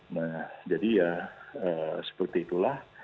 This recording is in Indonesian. nah jadi ya seperti itulah